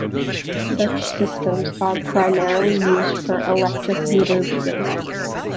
Such systems are primarily used for electric meter reading.